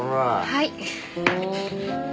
はい。